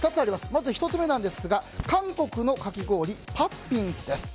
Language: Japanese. まず１つ目ですが韓国のかき氷、パッピンスです。